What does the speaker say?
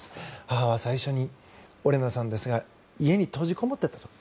母は最初に、オレナさんですが家に閉じこもっていたと。